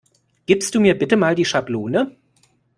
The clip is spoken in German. Gibst du mir bitte Mal die Schablone?